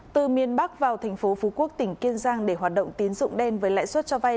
từ miền bắc vào thành phố phú quốc tỉnh kiên giang để hoạt động tiến dụng đen với lãi suất cho vay